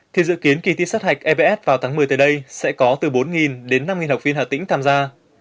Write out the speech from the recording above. thì dự kiến kỳ thi sát hạch evf vào tháng một mươi tới đây sẽ có từ bốn đến năm học viên hà tĩnh tham gia